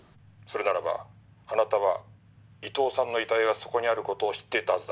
それならばあなたは伊東さんの遺体がそこにある事を知っていたはずだ。